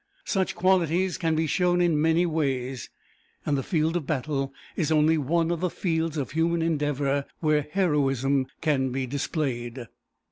Such qualities can be shown in many ways, and the field of battle is only one of the fields of human endeavor where heroism can be displayed.